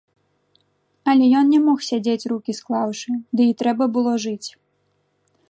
Але ён не мог сядзець рукі склаўшы, ды і трэба было жыць.